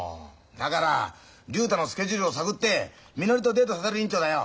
だから竜太のスケジュールを探ってみのりとデートさせる委員長だよ。